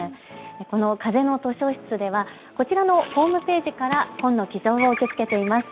この風の図書室では、こちらのホームページより本の寄贈を受け付けています。